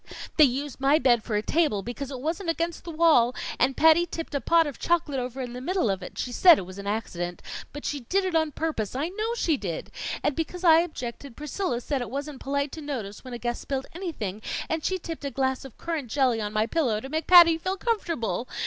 "They used my bed for a table because it wasn't against the wall, and Patty tipped a pot of chocolate over in the middle of it. She said it was an accident but she did it on purpose I know she did! And because I objected, Priscilla said it wasn't polite to notice when a guest spilled anything, and she tipped a glass of current jelly on my pillow, to make Patty feel comfortable.